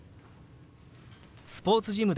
スポーツジムで。